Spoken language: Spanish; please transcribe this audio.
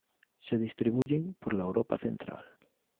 Se distribuyen por la Europa central.